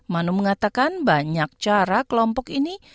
manu mengatakan banyak cara kelompok ini